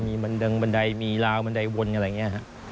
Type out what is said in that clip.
มีบันเดิงบันไดมีราวบันไดวนอะไรอย่างนี้ครับ